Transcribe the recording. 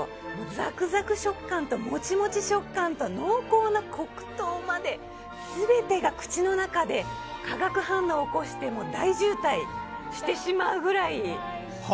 ザクザク食感とモチモチ食感と濃厚な黒糖まで全てが口の中で化学反応を起こして大渋滞してしまうぐらい。